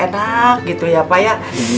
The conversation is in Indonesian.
enak gitu ya pak ya